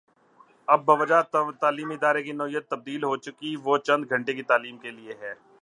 اب بوجوہ تعلیمی ادارے کی نوعیت تبدیل ہو چکی وہ چند گھنٹے کی تعلیم کے لیے ہے۔